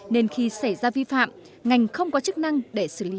nên khi xảy ra vi phạm ngành không có chức năng để xử lý